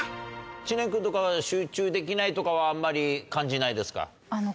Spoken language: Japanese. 知念君とか集中できないとかはあんまり感じないですか？